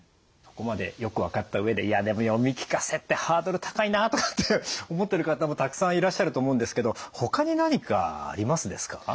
ここまでよく分かった上でいやでも読み聞かせってハードル高いなとかって思ってる方もたくさんいらっしゃると思うんですけどほかに何かありますですか？